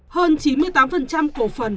hơn chín mươi tám cổ phần